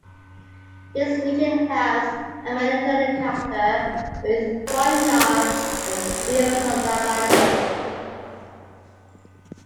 This region has a Mediterranean character, with vineyards and fields of lavender.